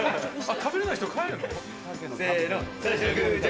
食べれない人、帰るの？